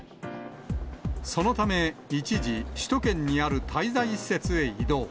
そのため、一時、首都圏にある滞在施設へ移動。